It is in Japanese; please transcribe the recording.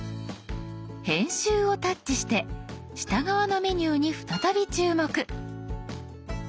「編集」をタッチして下側のメニューに再び注目。